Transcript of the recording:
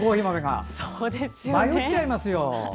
迷っちゃいますよ。